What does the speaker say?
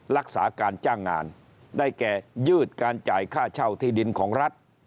รักษาการจ้างงานได้แก่ยืดการจ่ายค่าเช่าที่ดินของรัฐ